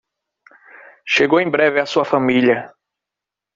Chegou em breve a sua família